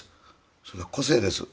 それは個性です